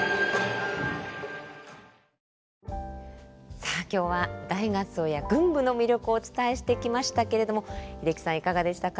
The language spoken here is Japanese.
さあ今日は大合奏や群舞の魅力をお伝えしてきましたけれども英樹さんいかがでしたか？